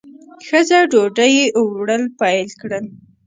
ښځه ډوډۍ وړل پیل کړل.